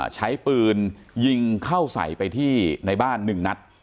ใช้ปืนยิงเข้าใส่ไปที่ในบ้าน๑นัด